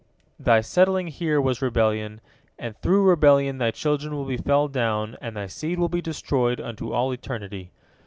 Thy settling here was rebellion, and through rebellion thy children will be felled down, and thy seed will be destroyed unto all eternity.